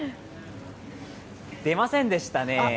出ませんでしたね。